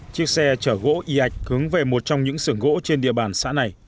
chiếc xe chở gỗ y ạch hướng về một trong những sửa gỗ trên đường